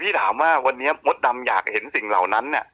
ถามว่าวันนี้มดดำอยากเห็นสิ่งเหล่านั้นเนี่ย